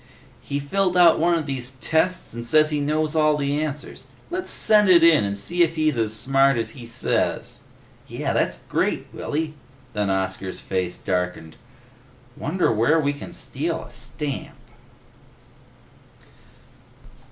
He filled out one of these tests and says he knows all the answers. Let's send it in and see if he's as smart as he says!" "Yeh! That's great, Willy!" Then Oscar's face darkened. "Wonder where we can steal a stamp?"